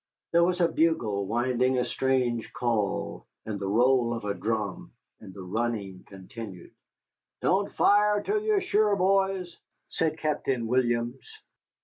There was a bugle winding a strange call, and the roll of a drum, and the running continued. "Don't fire till you're sure, boys," said Captain Williams.